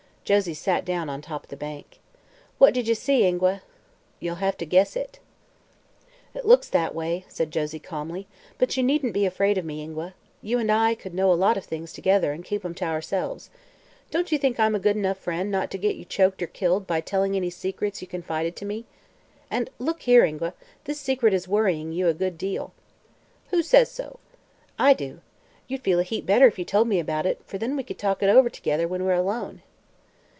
Josie sat down on top the bank. "What did you see, Ingua?" "Ye'll hev to guess it." "It looks that way," said Josie calmly; "but you needn't be afraid of me, Ingua. You and I could know a lot of things, together, and keep 'em to ourselves. Don't you think I'm a good enough friend not to get you choked or killed by telling any secrets you confided to me? And look here, Ingua this secret is worrying you a good deal." "Who says so?" "I do. You'd feel a heap better if you told me about it, for then we could talk it over together when we're alone."